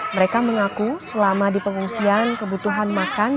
mereka mengaku selama di pengungsian kebutuhan makan